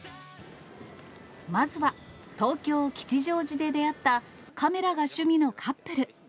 まずは東京・吉祥寺で出会った、カメラが趣味のカップル。